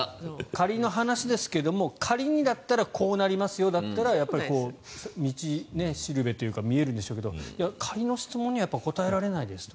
仮の話ですが仮にだったらこうなりますよというのがやっぱり道しるべというか見えるんでしょうけど仮の質問には答えられないですと。